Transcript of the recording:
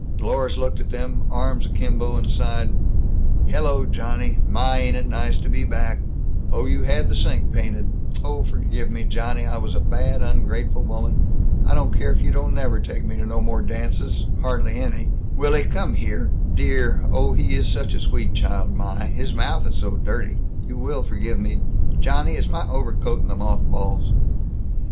Dlorus looked at them, arms akimbo, and sighed, "Hello, Johnny, my, ain't it nice to be back, oh, you had the sink painted, oh, forgive me, Johnny, I was a bad ungrateful woman, I don't care if you don't never take me to no more dances, hardly any, Willy come here, dear, oh, he is such a sweet child, my, his mouth is so dirty, will you forgive me, Johnny, is my overcoat in the moth balls?"